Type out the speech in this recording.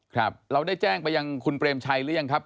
ครับเราได้แจ้งไปยังคุณเปรมชัยหรือยังครับ